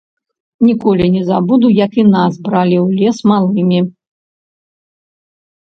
Ніколі не забуду, як і нас бралі ў лес малымі.